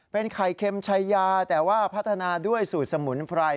เป็นไข่เค็มชายาแต่ว่าพัฒนาด้วยสูตรสมุนไพร